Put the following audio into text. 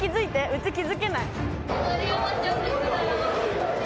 うち気付けない。